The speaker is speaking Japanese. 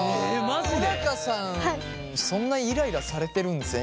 小高さんそんなイライラされてるんですね